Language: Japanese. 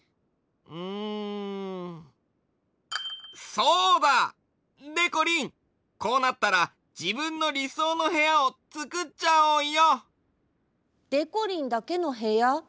そうだ！でこりんこうなったらじぶんのりそうのへやをつくっちゃおうよ！でこりんだけのへや？